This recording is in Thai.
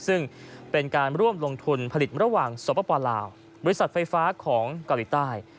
ซึ่งเป็นการร่วมลงทุนผลิตระหว่างสปลาวบริษัทไฟฟ้าของเกาหลีใต้